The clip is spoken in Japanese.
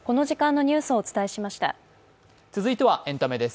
続いてはエンタメです。